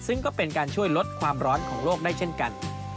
ซึ่งก็เป็นการช่วยลดความร้อนของโลกได้เช่นกัน